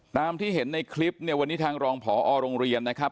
ตามที่เห็นในคลิปเนี่ยวันนี้ทางรองผอโรงเรียนนะครับ